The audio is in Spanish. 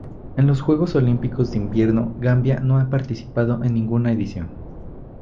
En los Juegos Olímpicos de Invierno Gambia no ha participado en ninguna edición.